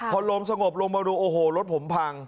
พอลมสงบลงมาดูโอ้โหรถผมพัง